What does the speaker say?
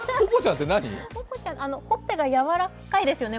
ほっぺが柔らかいですよね？